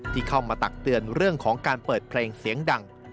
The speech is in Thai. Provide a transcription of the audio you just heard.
ที่เข้ามาตักเตือนเรื่องของการเปิดเพลงเสียงดัง